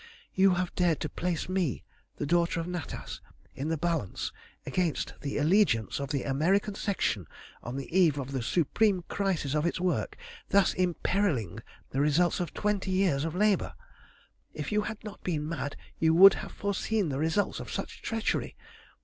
You have dared to place me, the daughter of Natas, in the balance against the allegiance of the American Section on the eve of the supreme crisis of its work, thus imperilling the results of twenty years of labour. "If you had not been mad you would have foreseen the results of such treachery.